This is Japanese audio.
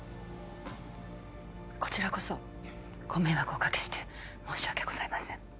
こちらこそご迷惑をおかけして申し訳ございません